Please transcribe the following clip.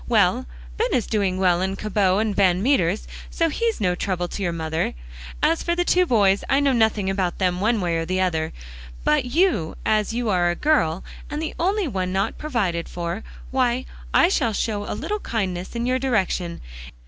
"Well, Ben is doing well in Cabot & Van Meter's, so he's no trouble to your mother. As for the two boys, I know nothing about them, one way or the other. But you, as you are a girl, and the only one not provided for, why, I shall show a little kindness in your direction.